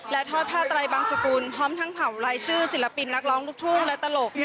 และทอดผ้าไตรบางสกุลพร้อมทั้งเผารายชื่อศิลปินนักร้องลูกทุ่งและตลก